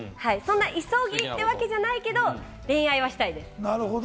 急ぎってわけじゃないけれども、恋愛はしたいです。